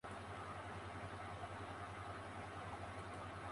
La amortización económica recoge la depreciación de un bien.